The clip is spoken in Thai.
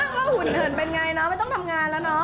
ว่าหุ่นเหินเป็นอย่างไรนะไม่ต้องทำงานแล้วนะ